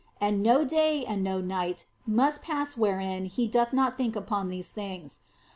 And no day and no night must pass wherein he doth not think upon these things.